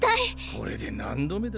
これで何度目だ？